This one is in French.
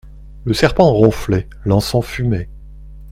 Le serpent ronflait, l'encens fumait.